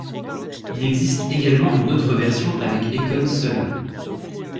Il existe également une autre version avec Akon seul.